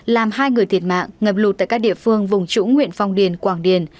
làm hai người thiệt mạng ngập lụt tại các địa phương vùng trũng huyện phong điền quảng điền